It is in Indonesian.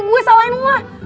gue salahin lu lah